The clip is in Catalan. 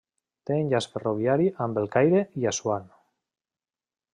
Té enllaç ferroviari amb El Caire i Assuan.